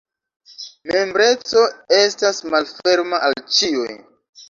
Membreco estas malferma al ĉiuj.